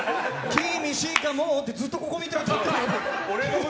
君しかもうってずっとここ見て歌ってて。